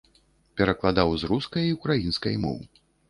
Перакладаў з рускай і ўкраінскай моў.